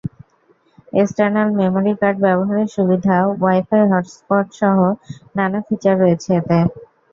External memory card ব্যবহারের সুবিধা, wifi হটস্পটসহ নানা ফিচার রয়েছে এতে।